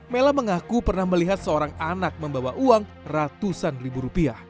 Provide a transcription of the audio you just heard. mela mengaku pernah melihat seorang anak membawa uang ratusan ribu rupiah